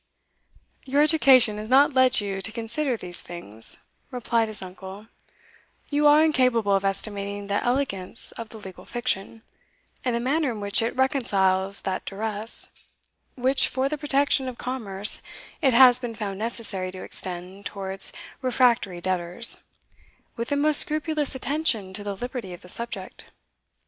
"Your education has not led you to consider these things," replied his uncle; "you are incapable of estimating the elegance of the legal fiction, and the manner in which it reconciles that duress, which, for the protection of commerce, it has been found necessary to extend towards refractory debtors, with the most scrupulous attention to the liberty of the subject."